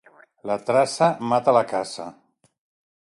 La traça mata la caça.